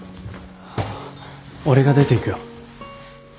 俺が出て行くよ